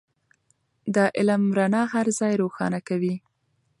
د علم رڼا هر ځای روښانه کوي.